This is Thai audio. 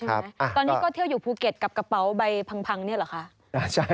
ตอนนี้ก็เที่ยวอยู่ภูเก็ตกับกระเป๋าใบพังเนี่ยเหรอคะ